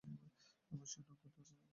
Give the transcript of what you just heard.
অবশ্যই, নাগরদোলার কথা মনে আছে।